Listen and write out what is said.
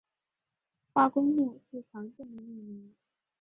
化工路是常见的路名。